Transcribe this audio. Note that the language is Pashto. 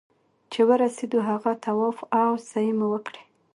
چې ورسېدو هغه طواف او سعيې مو وکړې.